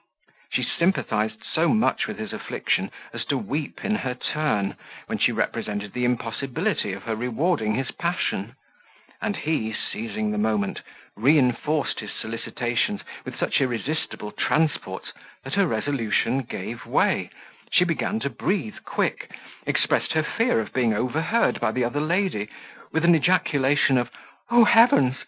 She sympathized so much with his affliction, as to weep in her turn, when she represented the impossibility of her rewarding his passion; and he, seizing the moment, reinforced his solicitations with such irresistible transports, that her resolution gave way, she began to breathe quick, expressed her fear of being overheard by the other lady, with an ejaculation of "O heavens!